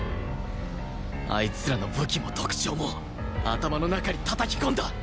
あいつらの武器も特徴も頭の中にたたき込んだ！